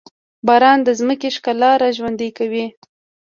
باران د ځمکې ښکلا راژوندي کوي.